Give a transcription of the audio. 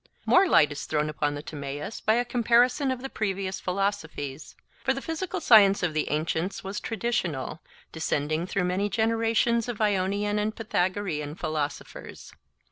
More light is thrown upon the Timaeus by a comparison of the previous philosophies. For the physical science of the ancients was traditional, descending through many generations of Ionian and Pythagorean philosophers.